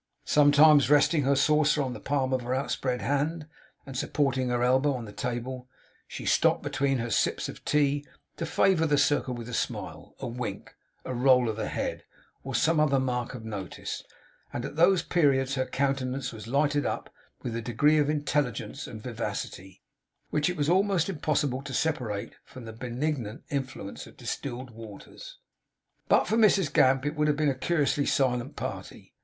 Sometimes resting her saucer on the palm of her outspread hand, and supporting her elbow on the table, she stopped between her sips of tea to favour the circle with a smile, a wink, a roll of the head, or some other mark of notice; and at those periods her countenance was lighted up with a degree of intelligence and vivacity, which it was almost impossible to separate from the benignant influence of distilled waters. But for Mrs Gamp, it would have been a curiously silent party.